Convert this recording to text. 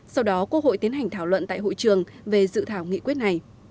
sau đó quốc hội tiến hành thảo luận tại hội trường về dự thảo nghị quyết này